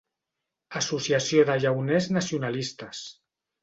Associació de llauners nacionalistes.